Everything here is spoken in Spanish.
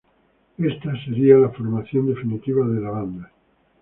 Esta sería la formación definitiva de la banda.